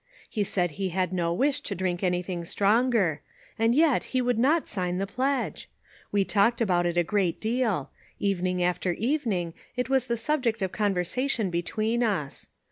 He said he had no wish to drink ' anything stronger. And yet he would not sign the pledge ! We talked about it a great deal. Evening after even ing it was the subject of conversation be tween us.